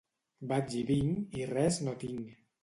Vaig i vinc i res no tinc.